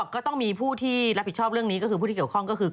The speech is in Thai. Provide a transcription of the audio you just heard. ก็ต้องมีผู้ที่รับผิดชอบเรื่องนี้ก็คือผู้ที่เกี่ยวข้องก็คือ